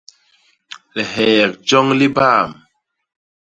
Liheyek joñ li baam.